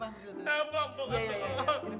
eh ini pelan pelan